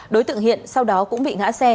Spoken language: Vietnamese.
đối tượng hiện sau đó cũng bị ngã xe